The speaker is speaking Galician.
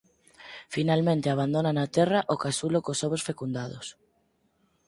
Finalmente abandona na terra o casulo cos ovos fecundados.